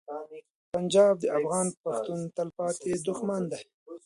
پنجاب د افغان پښتون تلپاتې دښمن دی.